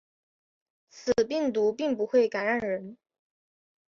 此病毒并不会感染人。